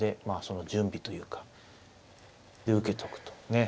まあその準備というかで受けとくと。